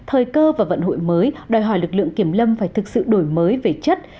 các bộ phận hội mới đòi hỏi lực lượng kiềm lâm phải thực sự đổi mới về chất